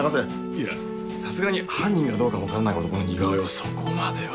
いやさすがに犯人かどうか分からない男の似顔絵をそこまでは。